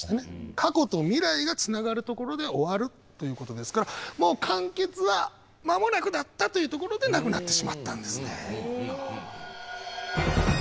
過去と未来がつながるところで終わるということですからもう完結は間もなくだったというところで亡くなってしまったんですね。